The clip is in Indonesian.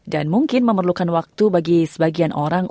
dan mungkin memerlukan waktu bagi sebagian orang